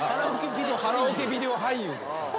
カラオケビデオ俳優ですから。